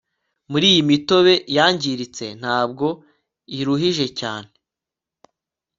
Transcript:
muri iyi mitobe yangiritse ntabwo iruhije cyane